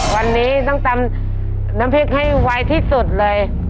วันนี้ต้องตำน้ำพริกให้ไวที่สุดเลย